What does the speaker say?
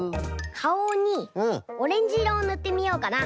かおにオレンジいろをぬってみようかな。